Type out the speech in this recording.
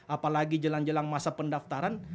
apalagi jelang jelang masa pendaftaran